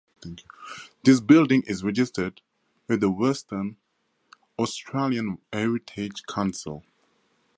The building is registered with the Western Australian Heritage Council.